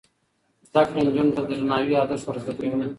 زده کړه نجونو ته د درناوي ارزښت ور زده کوي.